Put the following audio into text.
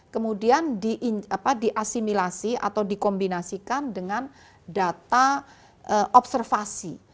kemudian di asimilasi atau di kombinasikan dengan data observasi